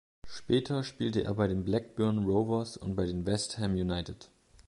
Später spielte er bei den Blackburn Rovers und bei West Ham United.